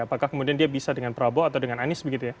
apakah kemudian dia bisa dengan prabowo atau dengan anies begitu ya